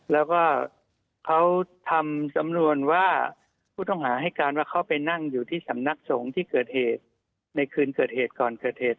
แล้วก็เขาทำสำนวนว่าผู้ต้องหาให้การว่าเขาไปนั่งอยู่ที่สำนักสงฆ์ที่เกิดเหตุในคืนเกิดเหตุก่อนเกิดเหตุ